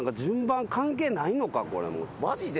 マジで？